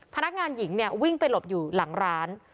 พนักงานหญิงเนี่ยวิ่งไปหลบอยู่หลังร้าน